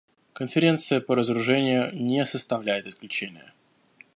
Конференция по разоружению не составляет исключения.